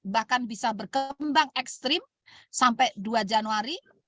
bahkan bisa berkembang ekstrim sampai dua januari